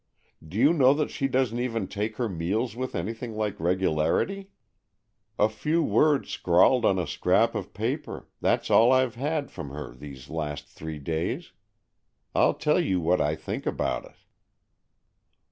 Do you know that she doesn't even take her meals with anything like regularity? A few words scrawled on a scrap of paper — that's all I've had from her these last three days. I'll tell you what I think about it."